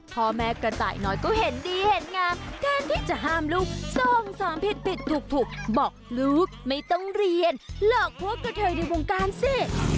พ่อแม่กระต่ายน้อยก็เห็นดีเห็นงามการที่จะห้ามลูกส่งเสริมผิดผิดถูกบอกลูกไม่ต้องเรียนหลอกพวกกระเทยในวงการสิ